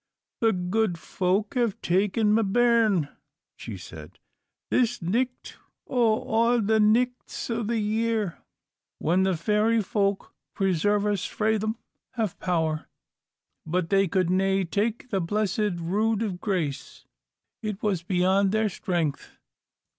"The good folk have taken ma bairn," she said, "this nicht o' a' the nichts in the year, when the fairy folk preserve us frae them! have power. But they could nae take the blessed rood o' grace; it was beyond their strength.